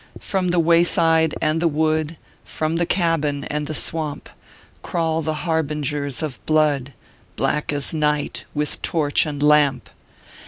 "From the wayside and the wood, From the cabin and the swamp, Crawl the harbingers of blood, Black as night, with torch and lamp.